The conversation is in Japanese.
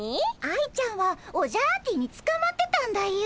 愛ちゃんはオジャアーティにつかまってたんだよ。